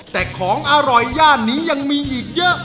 แต่ของอร่อยย่านนี้ยังมีอีกเยอะ